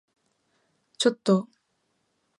ちょっと？